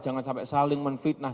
jangan sampai saling menfitnah